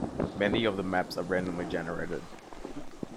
Many of maps are randomly generated.